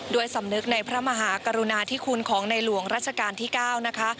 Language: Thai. สำนึกในพระมหากรุณาธิคุณของในหลวงรัชกาลที่๙นะคะ